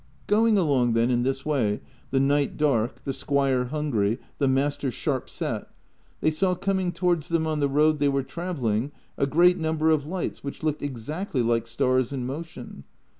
Going along, then, in this way, the night dark, the squire hungry, the master sharp set, they saw coming towards them on the road they were travelling a great number of lights Avhich looked exactly like stars in motion.